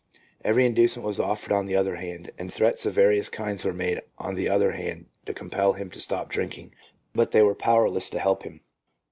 Every inducement was offered on the one hand, and threats of various kinds were made on the other hand to compel him to stop drinking, but they were power less to help him.